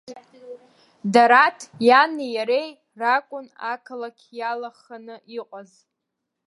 Дараҭ иани иареи ракәын ақалақь иалаханы иҟаз.